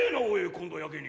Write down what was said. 今度はやけに。